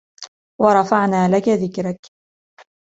ورفعنا لك ذكرك